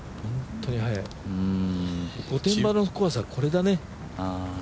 御殿場のコースはこれだね。